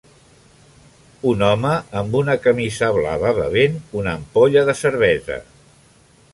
Un home amb una camisa blava bevent una ampolla de cervesa.